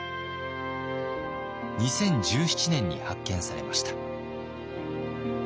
２０１７年に発見されました。